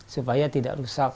supaya tidak rusak